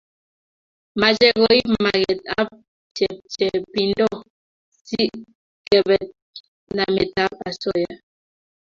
mache koip maget ab chepchepindo si kepet namet ab asoya